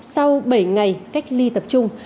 sau bảy ngày cách ly tập trung